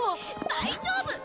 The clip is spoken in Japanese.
大丈夫！